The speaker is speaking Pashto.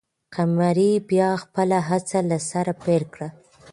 قمري بیا خپله هڅه له سره پیل کړه.